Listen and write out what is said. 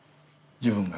自分が。